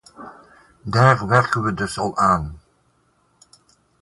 Daar werken we dus al aan.